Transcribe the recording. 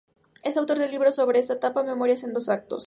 Es autor de un libro sobre esa etapa: "Memoria en dos actos.